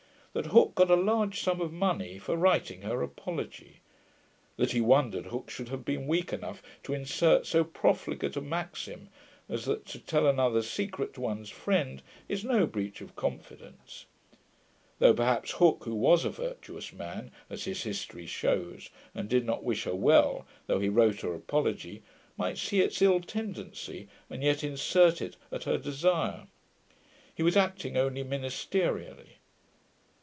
That Hooke got a LARGE sum of money for writing her Apology. That he wondered Hooke should have been weak enough to insert so profligate a maxim, as that to tell another's secret to one's friend, is no breach of confidence; though perhaps Hooke, who was a virtuous man, as his History shews, and did not wish her well, though he wrote her Apology, might see its ill tendency, and yet insert it at her desire. He was acting only ministerially.